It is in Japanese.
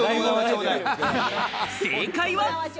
正解は。